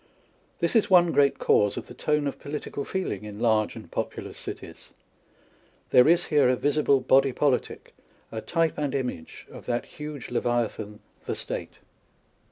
This is one great cause of the tone of political feeling in large and populous cities. There is here a visible body politic, a type and image of that huge Levia than the State.